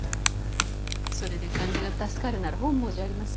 それで患者が助かるなら本望じゃありません？